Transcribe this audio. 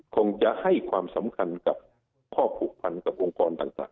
คงจะให้ความสำคัญกับข้อผูกพันกับองค์กรต่าง